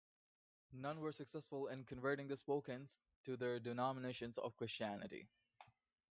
None were successful in converting the Spokanes to their denominations of Christianity.